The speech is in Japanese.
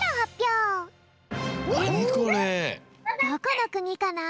どこの国かな？